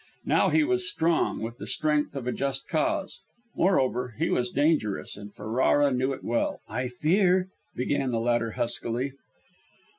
Now he was strong, with the strength of a just cause. Moreover, he was dangerous, and Ferrara knew it well. "I fear " began the latter huskily.